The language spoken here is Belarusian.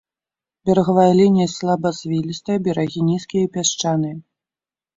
Берагавая лінія слабазвілістая, берагі нізкія і пясчаныя.